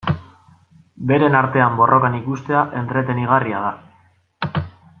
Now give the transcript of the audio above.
Beren artean borrokan ikustea entretenigarria da.